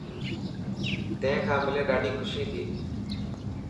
تين کان ملي ڏاڌي خوشي ٿي.